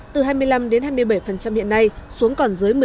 từ hai mươi năm đến hai mươi bảy hiện nay xuống còn dưới một mươi